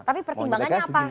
tapi pertimbangannya apa